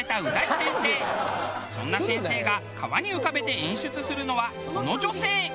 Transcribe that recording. そんな先生が川に浮かべて演出するのはこの女性。